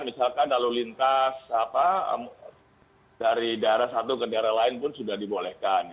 misalkan lalu lintas dari daerah satu ke daerah lain pun sudah dibolehkan